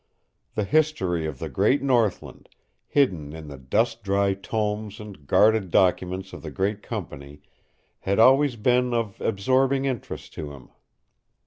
The history of the great northland, hidden in the dust dry tomes and guarded documents of the great company, had always been of absorbing interest to him.